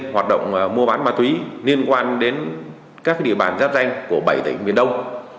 học động mua bán má túy liên quan đến các địa bàn giáp danh của bảy tỉnh miền đông